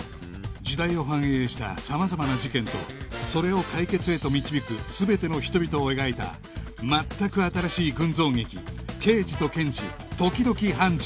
時代を反映した様々な事件とそれを解決へと導く全ての人々を描いた全く新しい群像劇『ケイジとケンジ、時々ハンジ。』